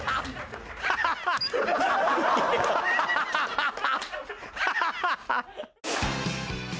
ハハハハ！